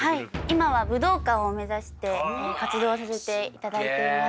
今は武道館を目指して活動させていただいています。